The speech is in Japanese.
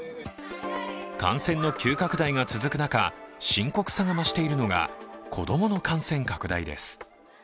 感染の急拡大が続く中深刻さが増しているのが子供の感染拡大です。